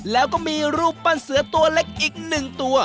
แล้วก็มีรูปปั้นเสือตัวเล็กอีก๑ตัว